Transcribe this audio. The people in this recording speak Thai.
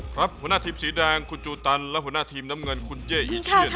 หัวหน้าทีมสีแดงคุณจูตันและหัวหน้าทีมน้ำเงินคุณเย่อีเชียน